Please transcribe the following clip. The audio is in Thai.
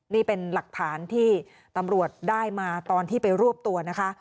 นี่เป็นหลักฐานที่ตำรวจได้มาตอนที่ไปรวบตัวนะคะ